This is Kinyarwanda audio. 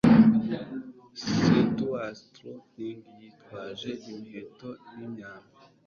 centaurs trotting yitwaje imiheto n'imyambi